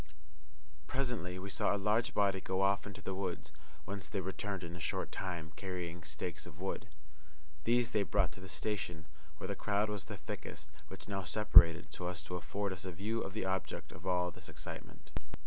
Presently we saw a large body go off into the hills, whence they returned in a short time, carrying stakes of wood. These they brought to the station where the crowd was the thickest, which now separated so as to afford us a view of the object of all this excitement.